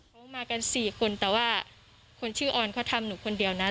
เขามากันสี่คนแต่ว่าคนชื่อออนเขาทำหนูคนเดียวนะ